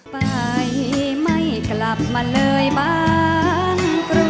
ไปไม่กลับมาเลยบ้าน